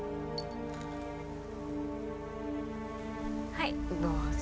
はいどうぞ。